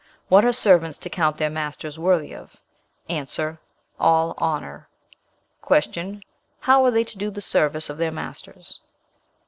What are servants to count their masters worthy of? A. 'All honour.' "Q. How are they to do the service of their masters?